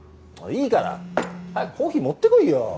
いいから早くコーヒー持ってこいよ！